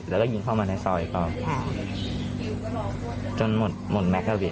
ตรงนี้คือหน้าซอยและในภาพกล้องอุงจรปิดแต่ก่อนหน้านี้เข้าไปในซอย